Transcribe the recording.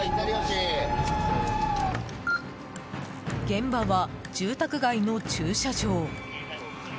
現場は、住宅街の駐車場。